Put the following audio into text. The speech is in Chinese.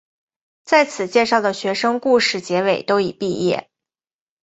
在此介绍的学生故事结尾都已毕业。